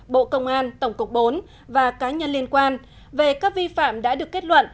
bộ công an tổng cục bốn và cá nhân liên quan về các vi phạm đã được kết luận